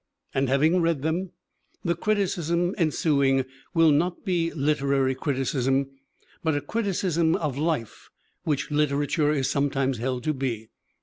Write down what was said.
And having read them the criticism en suing will not be literary criticism but a criticism of life which literature is sometimes held to be.